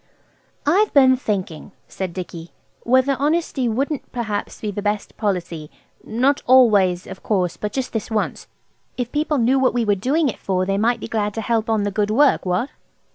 "I've been thinking," said Dicky, "whether honesty wouldn't perhaps be the best policy–not always, of course but just this once. If people knew what we were doing it for they might be glad to help on the good work–What?"